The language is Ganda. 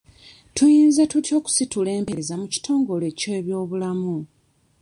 Tuyinza tutya okusitula empeereza mu kitongole ky'ebyobulamu?